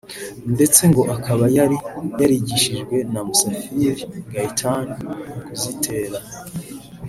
ndetse ngo akaba yari yarigishijwe na Musafili Gaëtan kuzitera